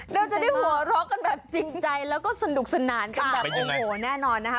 เราจะได้หัวเราะกันแบบจริงใจแล้วก็สนุกสนานกันแบบโอ้โหแน่นอนนะคะ